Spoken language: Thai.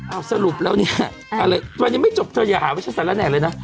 เอาสรุปแล้วเนี้ยเอาเลยวันนี้ไม่จบเธออย่าหาวิชาศัยแล้วแน่เลยนะ